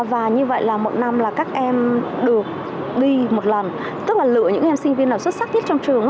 và như vậy là một năm là các em được đi một lần tức là lựa những em sinh viên nào xuất sắc nhất trong trường